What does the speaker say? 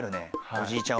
おじいちゃん